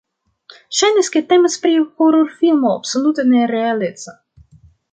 Ŝajnas, ke temas pri hororfilmo absolute ne-realeca.